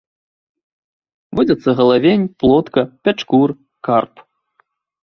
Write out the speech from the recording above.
Водзяцца галавень, плотка, пячкур, карп.